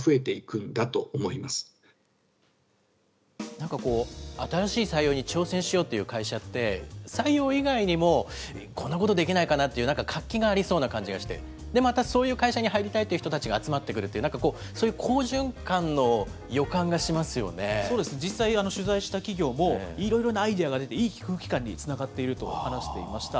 なんかこう、新しい採用に挑戦しようっていう会社って、採用以外にもこんなことできないかなっていう、なんか活気がありそうな感じがして、また、そういう会社に入りたいっていう人たちが集まって来るっていう、なんかこう、そういう好循環の予感がしそうです、実際取材した企業も、いろいろなアイデアが出て、いいにつながっていると話していました。